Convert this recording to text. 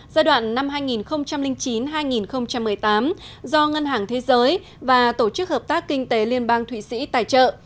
giai đoạn năm hai nghìn chín hai nghìn một mươi tám do ngân hàng thế giới và tổ chức hợp tác kinh tế liên bang thụy sĩ tài trợ